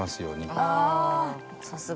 ああさすが。